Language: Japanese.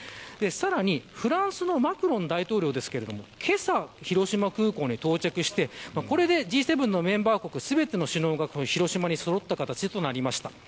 さらにフランスのマクロン大統領ですがけさ、広島空港に到着してこれでＧ７のメンバー国全ての首脳が広島にそろった形となりました。